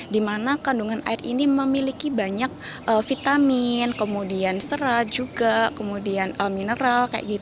di mana kandungan air ini memiliki banyak vitamin kemudian serat juga kemudian mineral